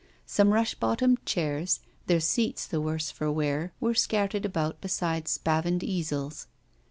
Some rush bottomed chairs, their seats the worse for wear, were scattered about beside spavined easels.